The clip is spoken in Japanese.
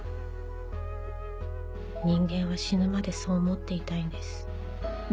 人間は死ぬまでそう思っていたいんです。